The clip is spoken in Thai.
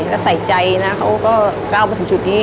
และใส่ใจนะเขาก็เอาไปสู่จุดนี้